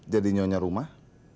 jadi nyonya rumah